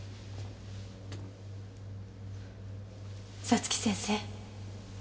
早月先生